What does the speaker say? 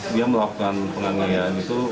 dia melakukan penganiayaan itu